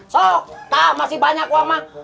sok tamah masih banyak uang